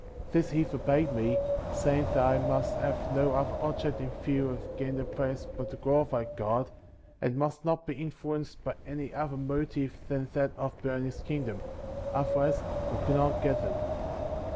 This he forbade me, saying that I must have uq other object in view in getting the plates but to glorify God, and must not be influenced by any other motive than that of building his kingdom; otherwise I could not get them.